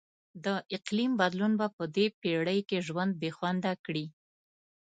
د اقلیم بدلون به په دې پیړۍ کې ژوند بیخونده کړي.